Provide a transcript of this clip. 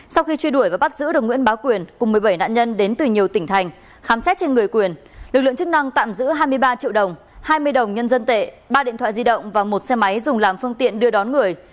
sau khi truy đuổi và bắt giữ được nguyễn bá quyền cùng một mươi bảy nạn nhân đến từ nhiều tỉnh thành khám xét trên người quyền lực lượng chức năng tạm giữ hai mươi ba triệu đồng hai mươi đồng nhân dân tệ ba điện thoại di động và một xe máy dùng làm phương tiện đưa đón người